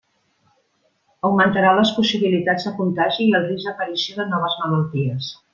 Augmentaran les possibilitats de contagi i el risc d'aparició de noves malalties.